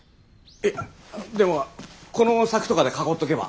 えっでもこの柵とかで囲っとけば。